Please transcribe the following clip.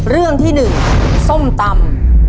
เรื่องที่หนึ่งส้มตำ